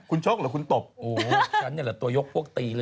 โอ้ฉันเนี่ยแหละตัวยกพวกตีเลย